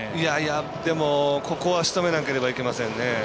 でも、ここはしとめなければいけませんね。